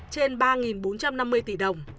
trên ba bốn trăm năm mươi tỷ đồng